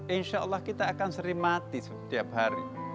insya allah kita akan sering mati setiap hari